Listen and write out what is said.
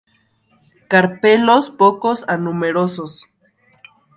Carpelos pocos a numerosos.